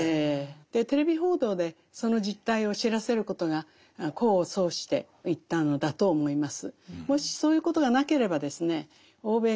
テレビ報道でその実態を知らせることが功を奏していったのだと思います。